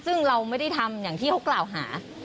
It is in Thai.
ซึ่งเราไม่ได้ทำอย่างที่เขากล่าวหา